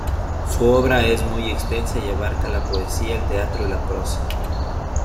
Su obra es muy extensa y abarca la poesía, el teatro y la prosa.